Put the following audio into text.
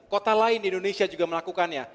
kota lain di indonesia juga melakukannya